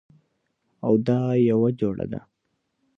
او دا یوه جوړه ده